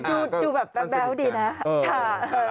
ดูแบบแบ๊วดีนะค่ะ